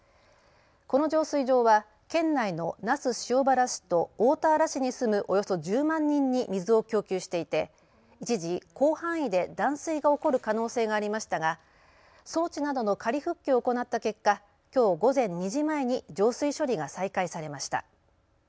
この浄水場は県内の那須塩原市と大田原市に住むおよそ１０万人に水を供給していて一時、広範囲で断水が起こる可能性がありましたが、装置などの仮復旧を行った結果、きょう午前２時前に浄水処理が再開されました。